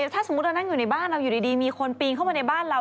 ถ้าสมมุติเรานั่งอยู่ในบ้านเราอยู่ดีมีคนปีนเข้ามาในบ้านเรา